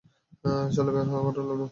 চলো, বের করো লুডু।